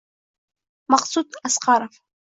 Maqsud Asqarov